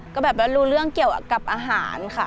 ก็แบบว่ารู้เรื่องเกี่ยวกับอาหารค่ะ